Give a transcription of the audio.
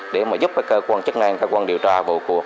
để mà giúp cơ quan chức năng cơ quan điều tra vụ cuộc